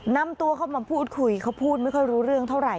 นำตัวเข้ามาพูดคุยเขาพูดไม่ค่อยรู้เรื่องเท่าไหร